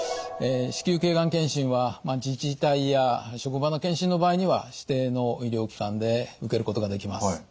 子宮頸がん検診は自治体や職場の検診の場合には指定の医療機関で受けることができます。